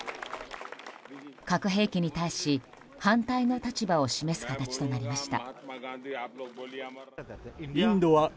核兵器に対し、反対の立場を示す形となりました。